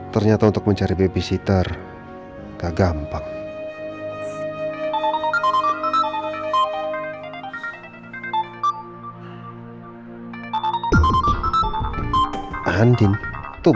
terima kasih pak dino